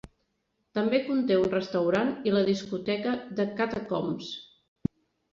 També conté un restaurant i la discoteca The Catacombs.